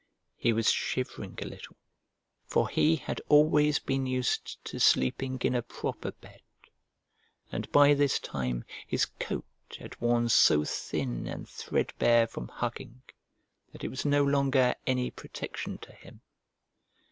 He was shivering a little, for he had always been used to sleeping in a proper bed, and by this time his coat had worn so thin and threadbare from hugging that it was no longer any protection to him.